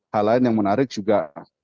hal lain yang menarik juga